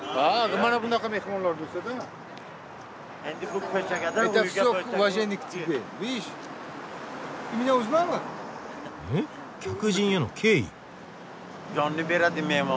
え客人への敬意。